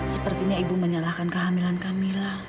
sepertinya ibu menyalahkan kehamilan kamila